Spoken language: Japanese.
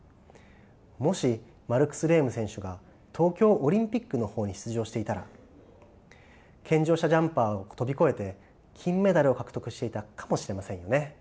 もしマルクス・レーム選手が東京オリンピックの方に出場していたら健常者ジャンパーを飛び越えて金メダルを獲得していたかもしれませんよね。